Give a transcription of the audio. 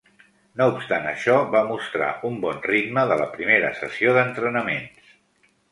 No obstant això, va mostrar un bon ritme de la primera sessió d'entrenaments.